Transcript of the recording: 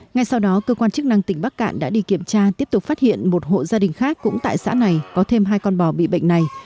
ngay sau đó cơ quan chức năng tỉnh bắc cạn đã đi kiểm tra tiếp tục phát hiện một hộ gia đình khác cũng tại xã này có thêm hai con bò bị bệnh này